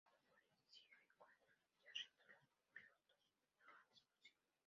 Como policía, encuentra y arresta a los pilotos lo antes posible.